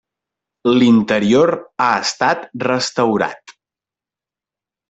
L'interior ha estat restaurat.